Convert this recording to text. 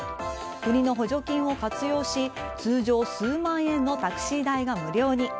国の補助金を活用し通常数万円のタクシー代が無料に。